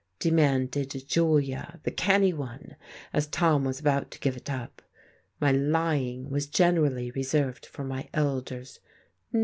demanded Julia, the canny one, as Tom was about to give it up. My lying was generally reserved for my elders.